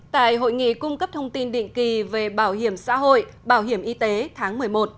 tại hội nghị cung cấp thông tin định kỳ về bảo hiểm xã hội bảo hiểm y tế tháng một mươi một